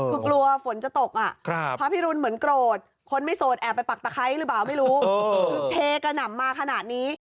คือกลัวฝนจะตกอ่ะพระพิรุณเหมือนโกรธคนไม่โสดแอบไปปักตะไคร้หรือเปล่าไม่รู้คือเทกระหน่ำมาขนาดนี้